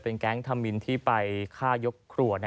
แก๊งธมินที่ไปฆ่ายกครัว